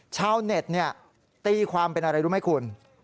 ชาวเน็ตตีความเป็นอะไรรู้ไหมคุณ